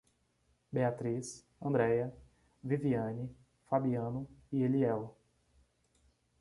Beatris, Andreia, Viviane, Fabiano e Eliel